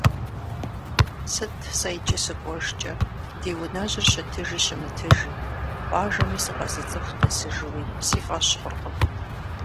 Сыт сэ иджы сыкӏуэжкӏэ, ди унэжьыр щытыжи щымытыжи, къуажэми сыкъэзыцӏыху дэсыжууи сифӏэщ хъуркъым.